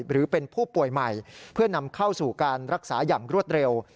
หรือเป็นผู้ป่วยใหม่เพื่อนำเข้าสู่การรักษาอย่างรวดเร็ว